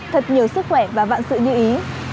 thật nhiều sức khỏe và vạn sự như ý